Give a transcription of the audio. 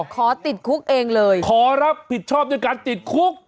ขอติดคุกเองเลยขอรับผิดชอบด้วยการติดคุก